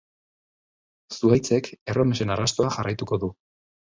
Zuhaitzek erromesen arrastoa jarraituko du.